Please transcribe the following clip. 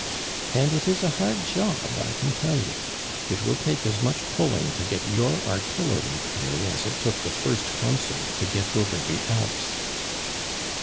And it is a hard job, I can tell you; it will take as much pulling to get your artillery through as it took the first Consul to get over the Alps."